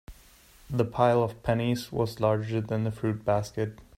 The pile of pennies was larger than the fruit basket.